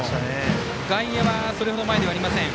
外野はそれほど前ではありません。